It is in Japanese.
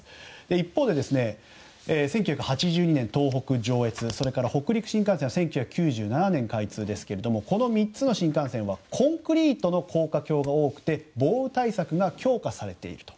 一方で１９８２年東北、上陸、北陸新幹線は１９９７年開通ですけどもこの３つの新幹線はコンクリートの高架橋が多く防雨対策が強化されていると。